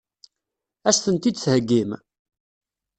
Ad as-tent-id-theggim?